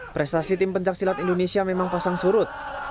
prestasi tim pencaksilat indonesia memang pasang surut